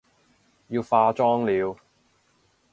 要化妝了